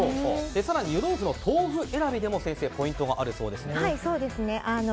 更に湯豆腐の豆腐選びにもポイントがあるそうですね。